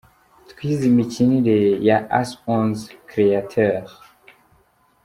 Twize imikinire ya As Onze Créateurs.